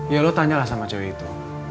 ya lo tanyalah sama cewek itu